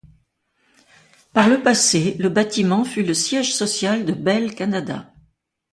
Par le passé, le bâtiment fut le siège social de Bell Canada.